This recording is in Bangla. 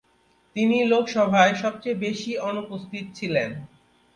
তিনি লোকসভায় সবচেয়ে বেশি অনুপস্থিত ছিলেন।